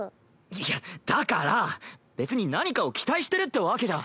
いやだから別に何かを期待してるってわけじゃ。